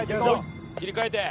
切り替えて！